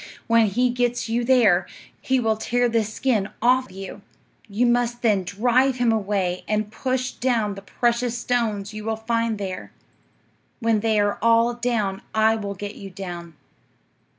When he gets you there, he will tear this skin off you. You must then drive him away and push down the precious stones you will find there. When they are all down, I will get you down."